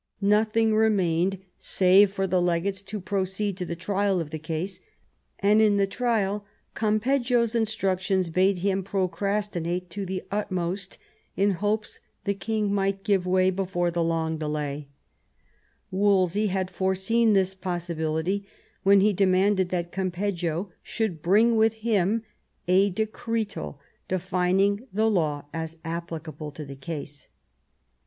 Nothing remained save for the legates to proceed to the trial of the case; and in the trial Gampeggio's instructions bade him procrastinate to the utmost in hopes the king might give way before the long delay, Wolsey had foreseen this possibility when he demanded that Campeggio should bring with him a decretal de fining the law as applicable to the case.